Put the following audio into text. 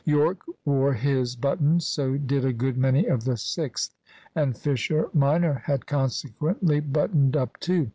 Yorke wore his buttoned, so did a good many of the Sixth; and Fisher minor had consequently buttoned up too.